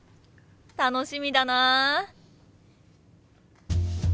楽しみだな！